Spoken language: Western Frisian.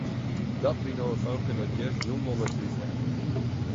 Dat wie no in famke dat hjir hielendal net thúshearde.